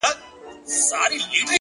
هره ستونزه د پیاوړتیا تمرین دی,